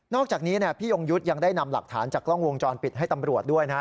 อกจากนี้พี่ยงยุทธ์ยังได้นำหลักฐานจากกล้องวงจรปิดให้ตำรวจด้วยนะ